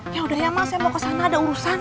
ya udah ya mas saya mau kesana ada urusan